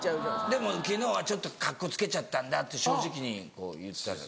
でも昨日はちょっとカッコつけちゃったんだって正直に言ったら？